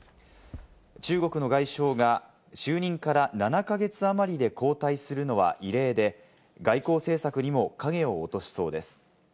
中国の外相が就任から７か月あまりで交代するのは異例で、外交政策にも影を落としそうです。